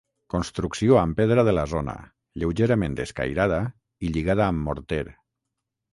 Construcció amb pedra de la zona, lleugerament escairada i lligada amb morter.